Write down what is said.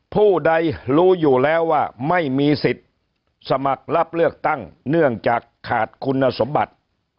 ผู้ใดรู้อยู่แล้วว่าไม่มีสิทธิ์สมัครรับเลือกตั้งเนื่องจากขาดคุณสมบัติ